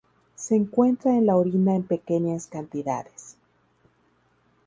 Se encuentra en la orina en pequeñas cantidades.